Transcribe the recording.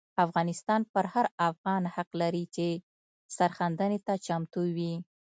افغانستان پر هر افغان حق لري چې سرښندنې ته چمتو وي.